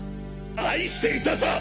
愛していたさ！